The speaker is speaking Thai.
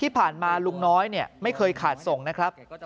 ที่ผ่านมาลุงน้อยไม่เคยขาดส่งนะครับ